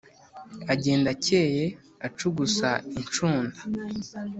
Agenda akeye acugusa incunda